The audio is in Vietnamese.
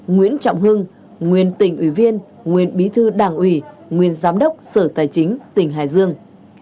nguyễn trọng hưng nguyên tỉnh ủy viên nguyên bí thư đảng ủy nguyên giám đốc sở tài chính tỉnh hải dương